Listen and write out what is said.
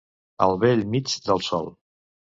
Al bell mig del sol.